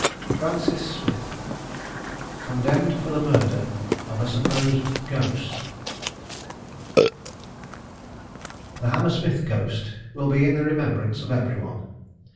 399_] FRANCIS SMITH. CONDEMNED FOR THE MURDER OF A SUPPOSED GHOST. The Hammersmith Ghost will be in the remembrance of every one.